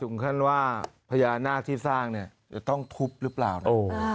ขั้นว่าพญานาคที่สร้างเนี่ยจะต้องทุบหรือเปล่านะ